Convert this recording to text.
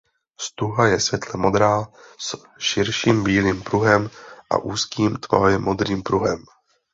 Stuha je světle modrá s širším bílým pruhem a úzkým tmavě modrým pruhem.